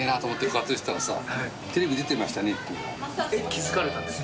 気付かれたんですか？